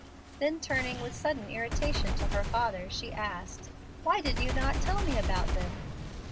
Then, turning with sudden irritation to her father, she asked, "Why did you not tell me about them?"